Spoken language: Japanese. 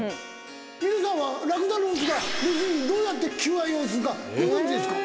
皆さんはラクダの雄が雌にどうやって求愛をするかご存じですか？